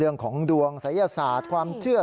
เรื่องของดวงศัยยศาสตร์ความเชื่อ